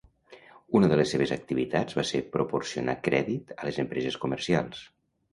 Una de les seves activitats va ser proporcionar crèdit a les empreses comercials.